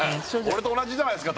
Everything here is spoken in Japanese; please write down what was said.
俺と同じじゃないですか